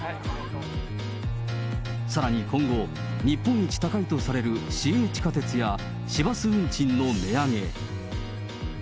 さらに今後、日本一高いとされる市営地下鉄や市バス運賃の値上げ。